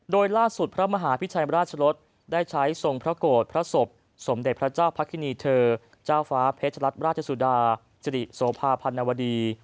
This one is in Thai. โดยล่าสุดพระมหาพิชัยราชรสได้ใช้ทรงพระโกรธพระศพสมเด็จพระเจ้าพระคินีเธอเจ้าฟ้าเพชรรัฐราชสุดาสิริโสภาพันวดี